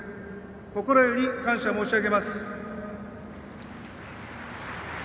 心より感謝申し上げます。